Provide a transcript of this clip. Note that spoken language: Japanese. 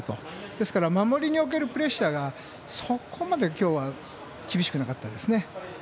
ですから、守りにおけるプレッシャーがそこまで厳しくなかったですね。